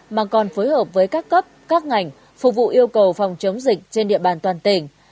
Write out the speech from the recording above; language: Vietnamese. mà còn phối hợp với các cấp các ngành phục vụ yêu cầu phòng chống dịch trên địa bàn toàn tỉnh